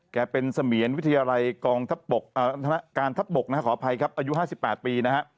แก่เป็นเสมียริวิทยาลัยการทับปกขออภัยครับอายุ๕๘ปี